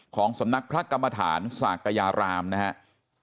ของสำนักพระกรรมฐานศากยารามนะครับ